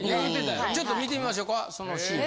ちょっと見てみましょうかそのシーン。